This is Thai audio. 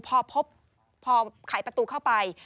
พอพบพอขายประตูเข้าไป